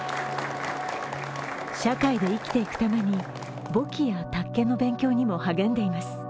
社会で生きていくために簿記や宅建の勉強にも励んでいます。